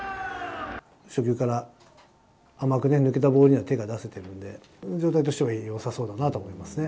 初球から甘く抜けたボールには手が出せてるんで、状態としてはよさそうだなと思いますね。